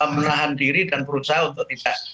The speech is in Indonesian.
menahan diri dan berusaha untuk tidak